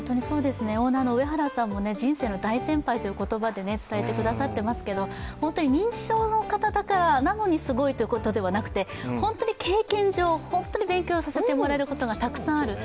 オーナーの上原さんも人生の大先輩という言葉で伝えてくださってますが認知症の方だからなのにすごいということではなくて本当に経験上、本当に勉強させてもらえることがたくさんある。